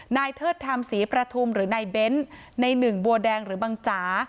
เทิดธรรมศรีประทุมหรือนายเบ้นในหนึ่งบัวแดงหรือบังจ๋า